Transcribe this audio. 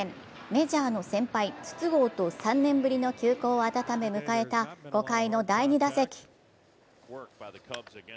メジャーの先輩・筒香と３年ぶりの旧交を温め迎えた、５回の第２打席。